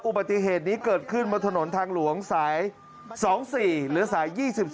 อุบัติเหตุนี้เกิดขึ้นบนถนนทางหลวงสาย๒๔หรือสาย๒๒